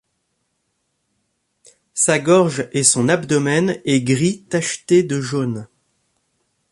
Sa gorge et son abdomen est gris tacheté de jaune.